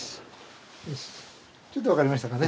ちょっとわかりましたかね。